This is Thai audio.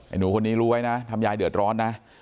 หนูคนนี้รู้ไว้นะทำยายเดือดร้อนนะ